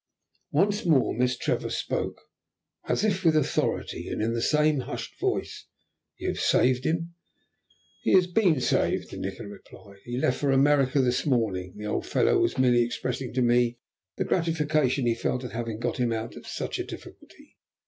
Once more Miss Trevor spoke as if with authority, and in the same hushed voice. "You have saved him?" "He has been saved," Nikola replied. "He left for America this morning. The old fellow was merely expressing to me the gratification he felt at having got him out of such a difficulty.